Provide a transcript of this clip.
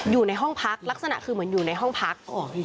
อยู่ในห้องพักลักษณะคือเหมือนอยู่ในห้องพัก